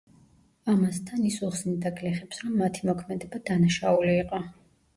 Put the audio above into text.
ამასთან ის უხსნიდა გლეხებს, რომ მათი მოქმედება დანაშაული იყო.